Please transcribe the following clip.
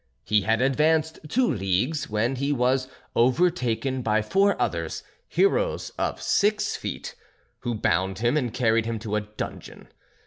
He had advanced two leagues when he was overtaken by four others, heroes of six feet, who bound him and carried him to a dungeon.